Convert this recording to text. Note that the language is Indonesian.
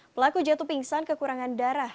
pelaku jatuh pingsan kekurangan darah